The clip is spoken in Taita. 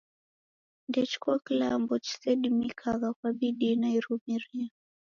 Ndechiko kilambo chisedimikagha kwa bidii na irumirio.